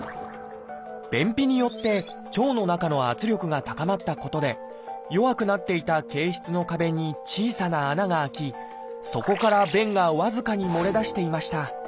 便秘によって腸の中の圧力が高まったことで弱くなっていた憩室の壁に小さな穴が開きそこから便が僅かに漏れ出していました。